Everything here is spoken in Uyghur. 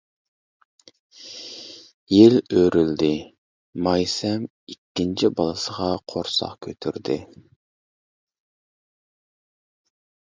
يىل ئۆرۈلدى، مايسەم ئىككىنچى بالىسىغا قۇرساق كۆتۈردى.